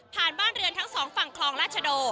บ้านเรือนทั้งสองฝั่งคลองราชโด